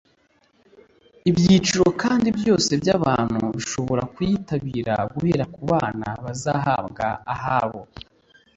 Ibyiciro kandi byose by’abantu bishobora kuyitabira guhera ku bana bazahabwa ahabo